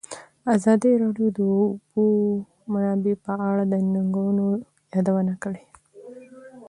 ازادي راډیو د د اوبو منابع په اړه د ننګونو یادونه کړې.